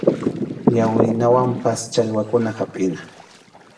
Yawrinawanpas challwakuna hapʼina.